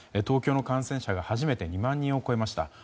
東京の感染者が初めて２万人を超えました。